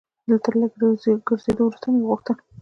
تر لږ ګرځېدو وروسته مې وغوښتل.